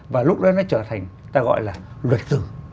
và lúc đó nó trở thành ta gọi là luật tử